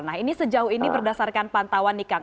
nah ini sejauh ini berdasarkan pantauan nih kang